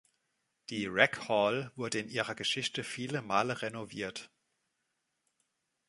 Die Rec Hall wurde in ihrer Geschichte viele Male renoviert.